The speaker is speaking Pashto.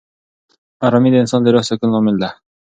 آرامي د انسان د روح د سکون لامل ده.